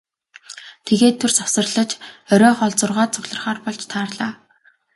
Тэгээд түр завсарлаж оройн зургаад цугларахаар болж тарлаа.